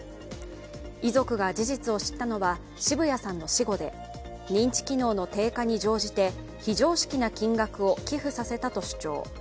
遺族が事実を知ったのは澁谷さんの死後で、認知機能の低下に乗じて非常識な金額を寄付させたと主張。